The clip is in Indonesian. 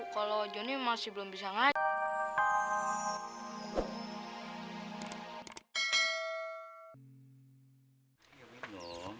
kalau joni masih belum bisa ngajak